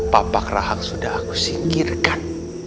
papak rahang sudah aku singkirkan